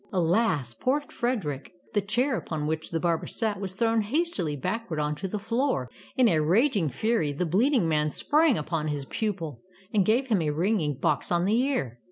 Alas! poor Frederick! The chair upon which the barber sat was thrown hastily backward onto the floor. In a raging fury the bleeding man sprang upon his pupil and gave him a ringing box on the ear.